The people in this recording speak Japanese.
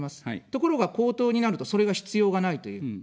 ところが公党になると、それが必要がないという。